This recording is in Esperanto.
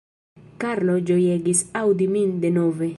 Karlo ĝojegis aŭdi min denove.